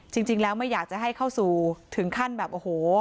จริงแล้วไม่อยากจะให้เข้าสู่ถึงขั้นแบบโอ้โห